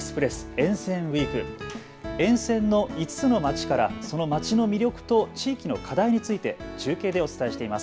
沿線の５つの街からその街の魅力と地域の課題について中継でお伝えしています。